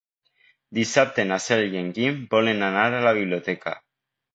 Dissabte na Cel i en Guim volen anar a la biblioteca.